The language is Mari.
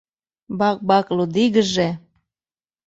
Бак-бак лудигыже